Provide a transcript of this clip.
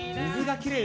きれい。